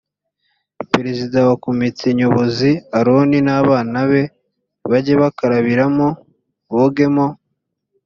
perezida wa komite nyobozi aroni n abana be bajye bakarabiramo bogemo